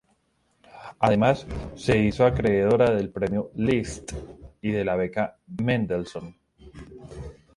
Además, se hizo acreedora del premio Liszt y de la beca Mendelsohn.